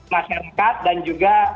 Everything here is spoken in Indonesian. masyarakat dan juga